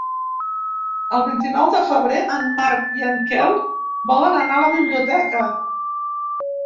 El vint-i-nou de febrer en Marc i en Quel volen anar a la biblioteca.